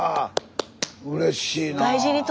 うれしいな。